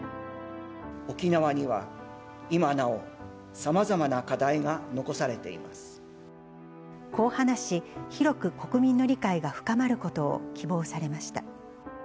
沖縄には今なお、さまざまなこう話し、広く国民の理解が深まることを希望されました。